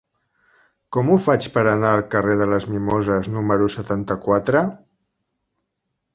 Com ho faig per anar al carrer de les Mimoses número setanta-quatre?